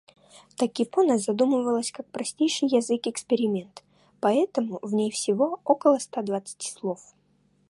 Токипона задумывалась как простейший язык-эксперимент, поэтому в ней всего около ста двадцати слов.